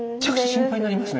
心配になりますよね？